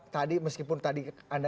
tadi meskipun tadi